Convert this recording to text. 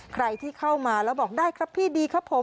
ใครที่เข้ามาแล้วบอกได้ครับพี่ดีครับผม